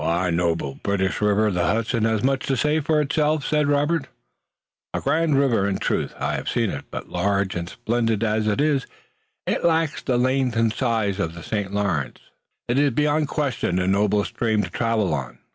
"Our noble British river, the Hudson, has much to say for itself," said Robert. "A grand river, in truth. I have seen it, but large and splendid as it is it lacks the length and size of the St. Lawrence." "It is beyond question a noble stream to travel on.